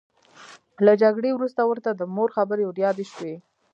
له جګړې وروسته ورته د مور خبرې وریادې شوې